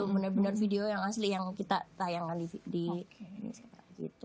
bener bener video yang asli yang kita tayangkan di video